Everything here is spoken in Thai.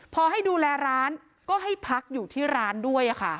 พอให้ดูแลร้านก็ให้พักอยู่ที่ร้านด้วยค่ะ